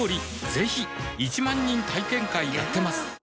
ぜひ１万人体験会やってますはぁ。